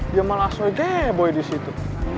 dia malah soe deboi disitu